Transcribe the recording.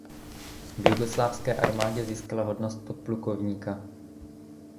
V jugoslávské armádě získala hodnost podplukovníka.